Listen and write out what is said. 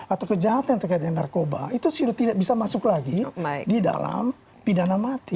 atau kejahatan yang terkait dengan narkoba itu sudah tidak bisa masuk lagi di dalam pidana mati